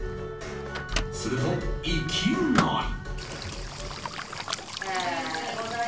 すると、いきなり。